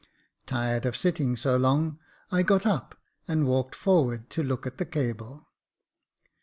Tired of sitting so long, I got up, and walked forward to look at the cable.